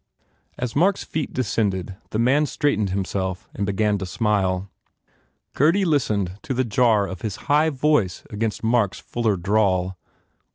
As Mark s feet descended, the man straightened himself and began a smile. Gurdy listened to the jar of his high voice against Mark s fuller drawl.